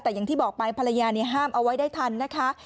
แต่อย่างที่บอกไปภรรยาห้ามเอาไว้ได้ทันนะคะ